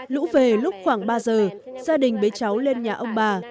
lũ về lúc khoảng ba giờ gia đình bế cháu lên nhà ông bà